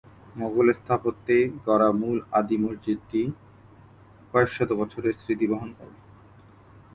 মোগল স্থাপত্যে গড়া মূল আদি মসজিদটি কয়েকশত বছরের স্মৃতি বহন করে।